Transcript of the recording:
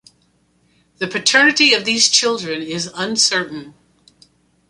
The paternity of these children is uncertain.